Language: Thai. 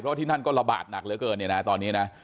เพราะที่นั่นก็ระบาดหนักเหลือเกินเนี่ยนะตอนนี้นะ